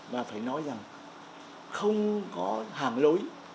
và phải nói rằng không có hàng lối